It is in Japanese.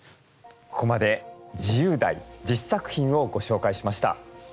ここまで自由題１０作品をご紹介しました。